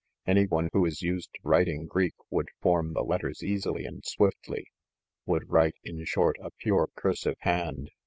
Any one who is used to writing Greek would form the letters easily and swiftly; would write, in short, a pure cursive hand.